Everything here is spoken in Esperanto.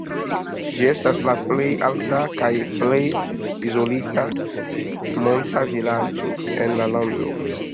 Ĝi estas la plej alta kaj plej izolita monta vilaĝo en la lando.